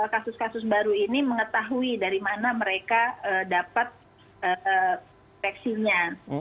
kasus kasus baru ini mengetahui dari mana mereka dapat infeksinya